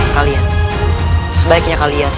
kalian sebaiknya kalian